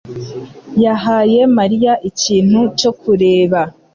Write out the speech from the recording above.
yahaye Mariya ikintu cyo kureba.